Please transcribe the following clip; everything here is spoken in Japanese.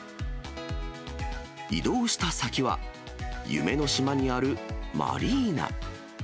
移動した先は、夢の島にあるマリーナ。